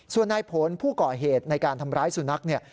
ส่วนนายผลผู้ก่อเหตุในการทำร้ายสุนัขเนี่ย